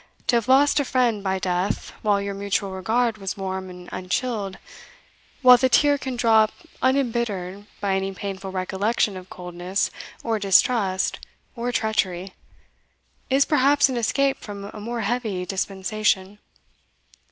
To have lost a friend by death while your mutual regard was warm and unchilled, while the tear can drop unembittered by any painful recollection of coldness or distrust or treachery, is perhaps an escape from a more heavy dispensation.